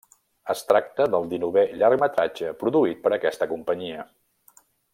Es tracta del dinovè llargmetratge produït per aquesta companyia.